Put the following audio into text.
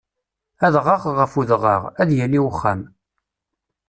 Adɣaɣ ɣef udɣaɣ, ad yali uxxam.